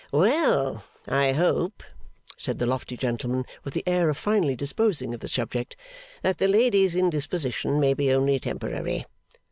'Well! I hope,' said the lofty gentleman, with the air of finally disposing of the subject, 'that the lady's indisposition may be only temporary.